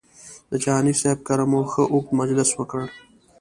د جهاني صاحب کره مو ښه اوږد مجلس وکړ.